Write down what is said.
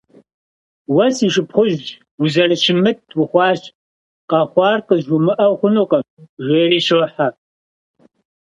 Уэ си шыпхъужь, узэрыщымыт ухъуащ: къэхъуар къызжумыӏэу хъунукъым, - жери щохьэ.